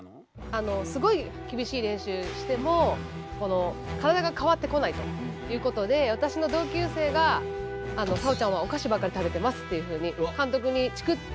あのすごい厳しい練習しても体が変わってこないということで私の同級生が沙保ちゃんはおかしばっかり食べてますっていうふうに監督にチクって。